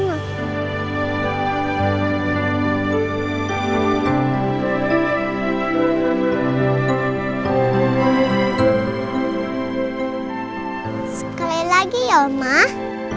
sekali lagi ya omah